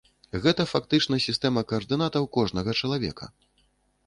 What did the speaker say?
Гэта фактычна сістэма каардынатаў кожнага чалавека.